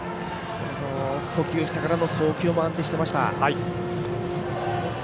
捕球してからの送球も安定していました。